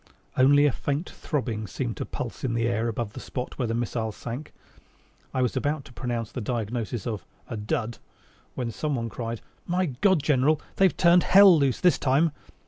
Only a faint throbbing seemed to pulse in the air above the spot where the missile sank. I was about to pronounce the diagnosis of "a dud," when someone cried, "My God, General, they've turned hell loose this time!"